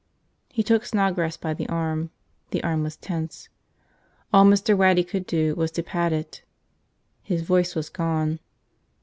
He took Snodgrass by the arm. The arm was tense. All Mr. Waddy could do was to pat it. His voice was gone.